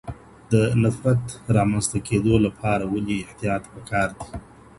د نفرت رامنځ ته کيدو لپاره ولي احتياط پکار دی؟